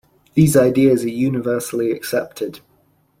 These ideas are universally accepted.